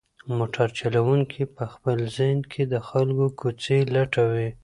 موټر چلونکی په خپل ذهن کې د کلي کوڅې لټوي.